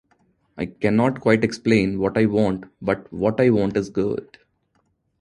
I cannot quite explain what I want, but what I want is good.